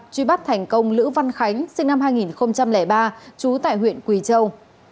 truy bắt thành công lữ văn khánh sinh năm hai nghìn ba trú tại huyện quỳ châu